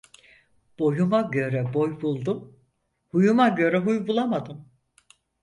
Boyuma göre boy buldum, huyuma göre huy bulamadım.